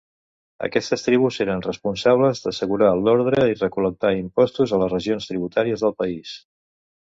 Aquestes tribus eren responsables d'assegurar l'ordre i recol·lectar impostos a les regions tributàries del país.